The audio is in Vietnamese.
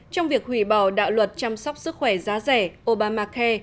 trong việc hủy bỏ đạo luật chăm sóc sức khỏe giá rẻ obamacare